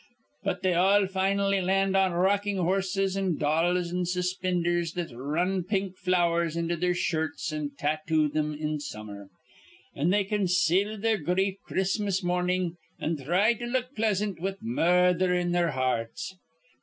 But they all fin'lly land on rockin' horses an' dolls, an' suspindhers that r run pink flowers into their shirts an' tattoo thim in summer. An' they conceal their grief Chris'mas mornin' an' thry to look pleasant with murdher in their hearts.